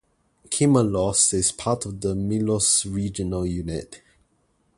Kimolos is part of the Milos regional unit.